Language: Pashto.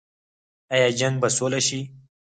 آیا جنګ به سوله شي؟